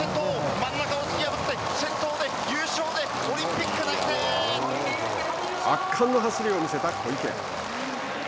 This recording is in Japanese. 真ん中を突き破って圧巻の走りを見せた小池。